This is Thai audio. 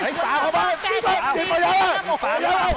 อยู่นี่กลับมาที่สุดอยู่นี่กันได้